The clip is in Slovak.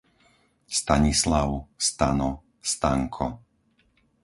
Stanislav, Stano, Stanko